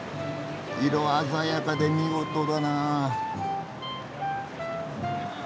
色鮮やかで見事だなぁ。